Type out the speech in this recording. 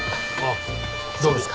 そうですか。